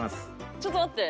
ちょっと待って。